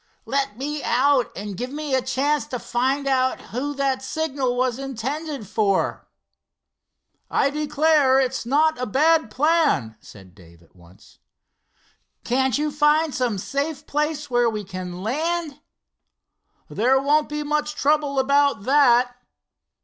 "Let me out, and give me a chance to find out who that signal was intended for." "I declare, it's not a bad plan," said Dave at once. "Can't you find some safe place where we can land?" "There won't be much trouble about that."